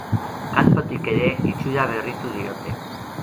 Kanpotik ere itxura berritu diote.